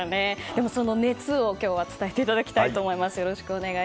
今日はその熱を伝えていただきたいと思います。